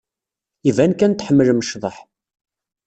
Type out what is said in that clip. Iban kan tḥemmlem ccḍeḥ.